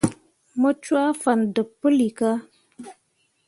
Mu cwaa fan deb puilika.